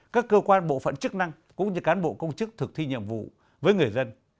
các cơ quan bộ phận chức năng cũng như cán bộ công chức thực thi nhiệm vụ với người dân